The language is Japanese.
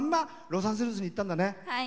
ロサンゼルスに行ったんだね。